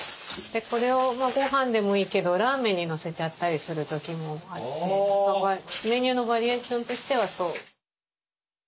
これをごはんでもいいけどラーメンにのせちゃったりする時もあってメニューのバリエーションとしてはそう。